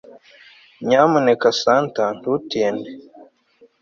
nyamuneka santa, ntutinde